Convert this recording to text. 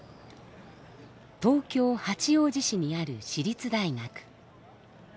東京・八王子市にある私立大学。